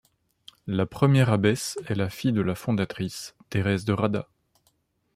La première abbesse est la fille de la fondatrice, Thérèse de Rada.